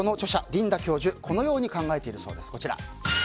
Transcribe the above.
リンダ教授はこう考えているそうです。